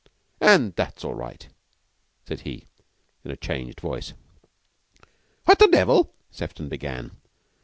"And that's all right," said he in a changed voice. "What the devil ?" Sefton began.